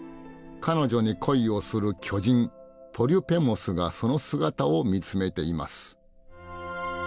彼女に恋をする巨人ポリュペモスがその姿を見つめています。